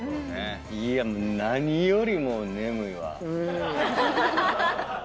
いや何よりも眠いわ。